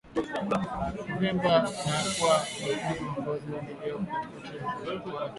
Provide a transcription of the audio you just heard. Kuvimba na kuwa na wekundu kwa ngozi iliyo katikati ya kwato